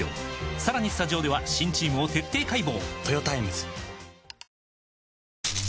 さらにスタジオでは新チームを徹底解剖！